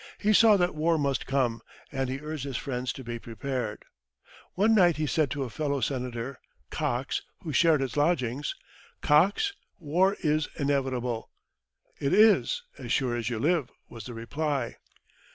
He saw that war must come, and he urged his friends to be prepared. One night he said to a fellow Senator, Cox, who shared his lodgings, "Cox, war is inevitable." "It is, as sure as you live," was the reply.